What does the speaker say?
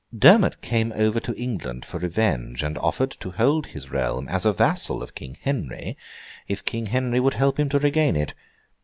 Dermond came over to England for revenge; and offered to hold his realm as a vassal of King Henry, if King Henry would help him to regain it.